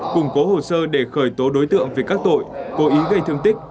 củng cố hồ sơ để khởi tố đối tượng về các tội cố ý gây thương tích